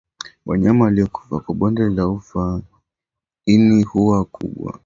Wanyama waliokufa kwa bonde la ufa ini huwa kubwa